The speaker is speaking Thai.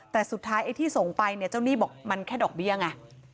แต่สุดท้ายไอ้ที่ส่งไปเนี่ยเจ้าหนี้บอกมันแค่ดอกเบี้ยไง